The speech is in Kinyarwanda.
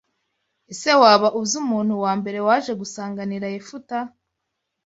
Ese waba uzi umuntu wa mbere waje gusanganira Yefuta